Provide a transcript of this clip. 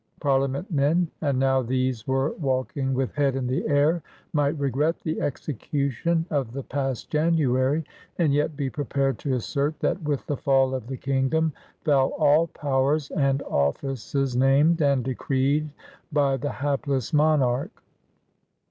Parlia ment men — and now these were walking with head in the air — might regret the execution of the past January, and yet be prepared to assert that with the fall of the kingdom fell all powers and offices named and decreed by the hapless monarch.